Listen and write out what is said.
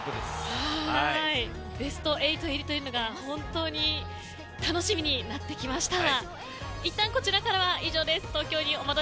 ベスト８入りというのが本当に楽しみになってきました。